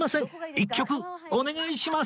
一曲お願いします！